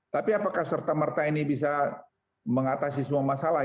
tapi apakah serta merta ini bisa mengatasi semua masalah